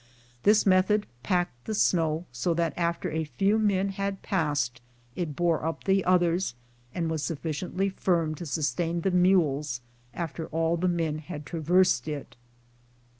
This method packed the snow so that, after a few men had passed, it bore up the others, and was sufficiently firm to sustain the mules after all the men had traversed it.